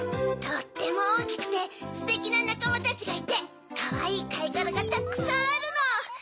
とってもおおきくてステキななかまたちがいてかわいいかいがらがたくさんあるの。